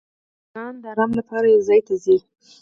چرګان د آرام لپاره یو ځای ته ځي.